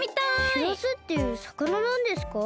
しらすっていうさかななんですか？